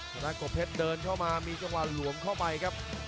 ทางด้านกบเพชรเดินเข้ามามีจังหวะหลวมเข้าไปครับ